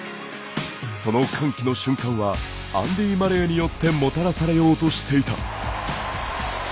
その歓喜の瞬間はアンディ・マレーによってもたらされようとしていた。